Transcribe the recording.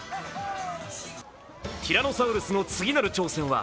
ティラノサウルスの次なる挑戦は